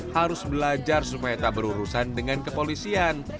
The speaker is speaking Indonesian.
harus belajar supaya tak berurusan dengan kepolisian